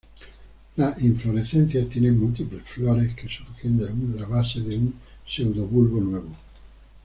Las inflorescencias tienen múltiples flores que surgen de la base de un pseudobulbo nuevo.